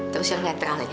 terus yang netral ini ya